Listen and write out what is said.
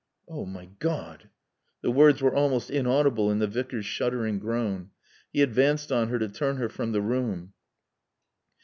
"Oh my God " The words were almost inaudible in the Vicar's shuddering groan. He advanced on her to turn her from the room.